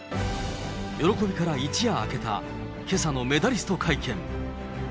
喜びから一夜明けた、けさのメダリスト会見。